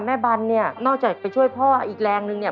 บันเนี่ยนอกจากไปช่วยพ่ออีกแรงนึงเนี่ย